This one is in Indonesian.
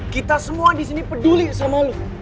kita semua di sini peduli sama lo